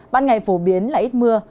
ban ngày phổ biến là ít mưa